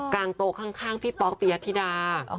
กลางโต๊ะข้างพี่ป๊อกพี่อธิดา